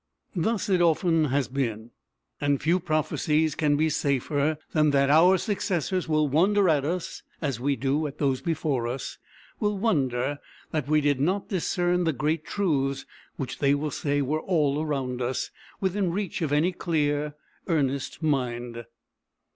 Thus it often has been; and few prophecies can be safer than that our successors will wonder at us as we do at those before us; will wonder that we did not discern the great truths which they will say were all around us, within reach of any clear, earnest mind.